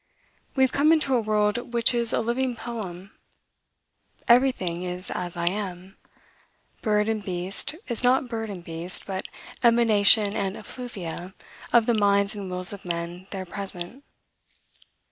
We have come into a world which is a living poem. Every thing is as I am. Bird and beast is not bird and beast, but emanation and effluvia of the minds and wills of men there present.